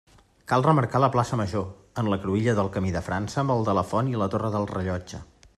Cal remarcar la plaça Major, en la cruïlla del camí de França amb el de la Font i la torre del rellotge.